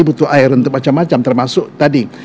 butuh air untuk macam macam termasuk tadi